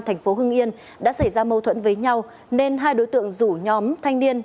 thành phố hưng yên đã xảy ra mâu thuẫn với nhau nên hai đối tượng rủ nhóm thanh niên